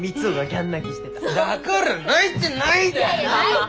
だから泣いてないって！